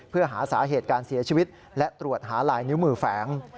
เพื่อหาสาเหตุการเสียชีวิตและตรวจหาลายนิ้วมือแฝง